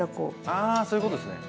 あそういうことですね。